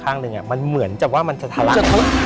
ข้างหนึ่งมันเหมือนจะเป็นทะลัก